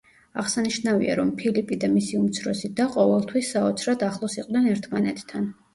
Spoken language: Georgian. აღსანიშნავია, რომ ფილიპი და მისი უმცროსი და ყოველთვის საოცრად ახლოს იყვნენ ერთმანეთთან.